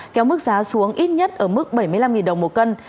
kéo mức giá xuống ít nhất ở mức bảy mươi năm đồng một cân